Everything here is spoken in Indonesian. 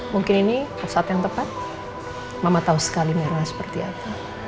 mungkin ini saat yang tepat mama tahu sekali merah seperti apa